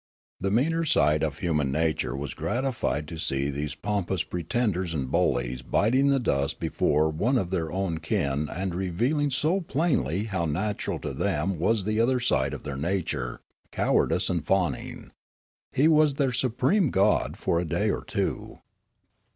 The meaner side of human nature was gratified to see these pompous pretenders and bullies biting the dust before one of their own kin and reveal ing so plainly how natural to them was the other side of their nature, cowardice and fawning. He was their supreme god for a day or two.